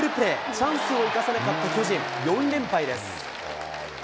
チャンスを生かせなかった巨人、４連敗です。